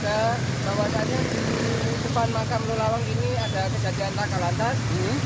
bahwa warganya di depan mangkam lolawang ini ada kejadian takal lantas